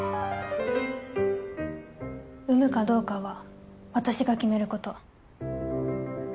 産むかどうかは私が決めること。